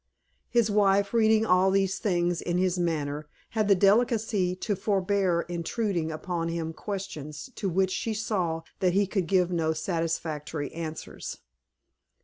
His wife, reading all these things in his manner, had the delicacy to forbear intruding upon him questions to which she saw that he could give no satisfactory answers.